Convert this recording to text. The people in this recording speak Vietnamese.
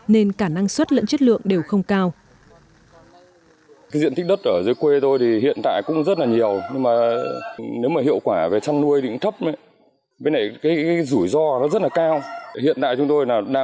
nên cả năng suất lẫn chất lượng đều không cao